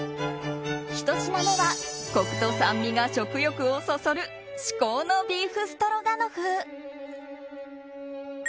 １品目はコクと酸味が食欲をそそる至高のビーフストロガノフ。